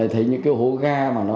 thấy những cái hố ga